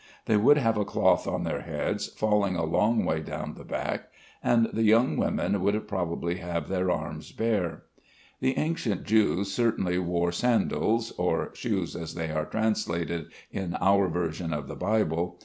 They would have a cloth on their heads, falling a long way down the back; and the young women would probably have their arms bare. The ancient Jews certainly wore sandals (or shoes, as they are translated in our version of the Bible).